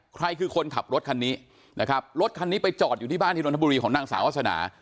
ใครคือคนขับรถคันนี้นะครับรถคันนี้ไปจอดอยู่ที่บ้านที่นนทบุรีของนางสาววาสนา